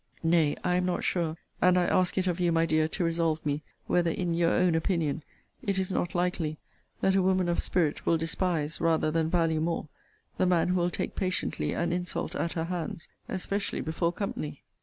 Nay, I am not sure, and I ask it of you, my dear, to resolve me, whether, in your own opinion, it is not likely, that a woman of spirit will despise rather than value more, the man who will take patiently an insult at her hands; especially before company.